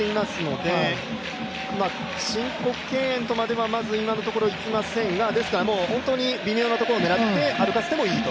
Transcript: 申告敬遠とまではまず今のところいきませんがですから本当に微妙なところを狙って歩かせてもいいと。